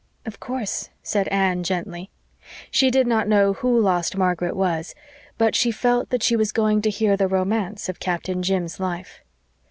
"Of course," said Anne gently. She did not know who "lost Margaret" was, but she felt that she was going to hear the romance of Captain Jim's life.